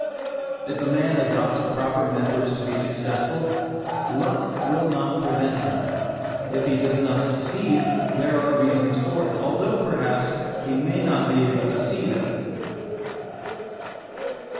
If a man adopts the proper methods to be successful, "luck" will not prevent him. If he does not succeed, there are reasons for it, although perhaps, he may not be able to see them.